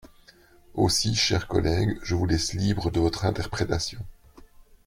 Aussi, chers collègues, je vous laisse libre de votre interprétation.